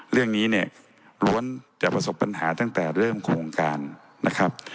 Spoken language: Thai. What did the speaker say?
เรื่องนี้ร้วนจะประสบปัญหา